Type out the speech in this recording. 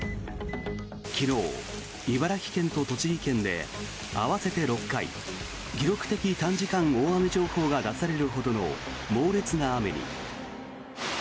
昨日、茨城県と栃木県で合わせて６回記録的短時間大雨情報が出されるほどの猛烈な雨に。